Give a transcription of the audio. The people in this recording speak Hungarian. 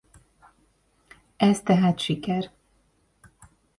Ez tehát siker!